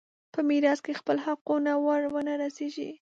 په میراث کې خپل حقونه ور ونه رسېږي.